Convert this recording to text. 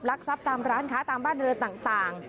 ทรัพย์ตามร้านค้าตามบ้านเรือนต่าง